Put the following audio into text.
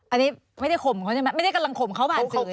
อันนี้ไม่ได้ข่มเขาใช่ไหมไม่ได้กำลังข่มเขาอ่านสื่อใช่ไหม